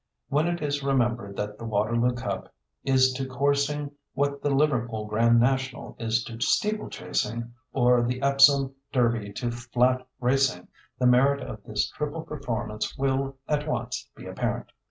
When it is remembered that the Waterloo Cup is to coursing what the Liverpool Grand National is to steeplechasing, or the Epsom Derby to flat racing, the merit of this triple performance will at once be apparent.